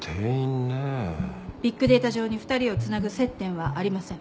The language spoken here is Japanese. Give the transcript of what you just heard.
ビッグデータ上に２人をつなぐ接点はありません。